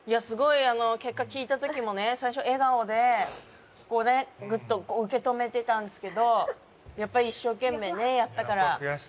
すごい結果聞いた時もね最初笑顔でぐっと受け止めてたんですけどやっぱり一生懸命ねやったから。